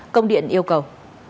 công điện yêu cầu